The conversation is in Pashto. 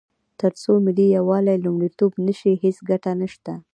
تر څو ملي یووالی لومړیتوب نه شي، هیڅ ګټه نشته.